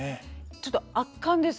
ちょっと圧巻です。